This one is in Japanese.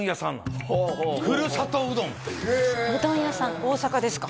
へえ大阪ですか